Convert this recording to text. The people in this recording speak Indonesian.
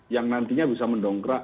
yang nantinya bisa mendongkrak